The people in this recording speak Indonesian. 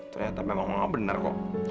ternyata memang mama bener kok